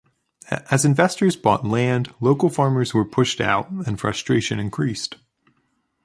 As investors bought land, local farmers were pushed out and frustration increased.